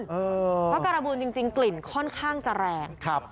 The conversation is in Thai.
เพราะการบูลจริงกลิ่นค่อนข้างจะแรง